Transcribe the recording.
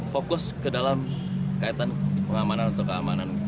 fokus ke dalam kaitan pengamanan atau keamanan